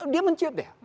dia menciut ya